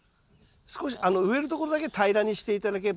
少し植えるところだけ平らにして頂ければ。